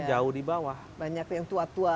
jauh di bawah banyak yang tua tua